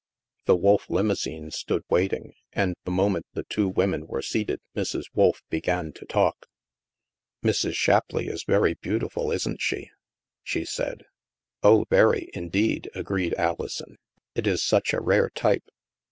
The Wolf limousine stood waiting, and the mo ment the two women were seated, Mrs. Wolf began to talk. 178 THE MASK "Mrs. Shapleigh is very beautiful, isn't she?*' she said. " Oh, very, indeed/' agreed AHson. " It is such a rare type."